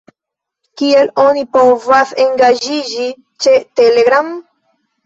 Kiel oni povas engaĝiĝi ĉe Telegram?